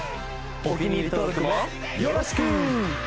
お気に入り登録もよろしく！